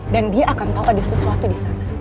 dan dia akan tau ada sesuatu disana